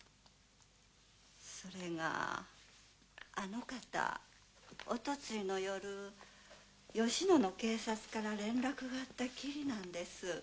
それがあの方おとといの夜吉野の警察から連絡があったきりなんです。